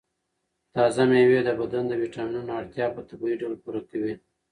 تازه مېوې د بدن د ویټامینونو اړتیا په طبیعي ډول پوره کوي.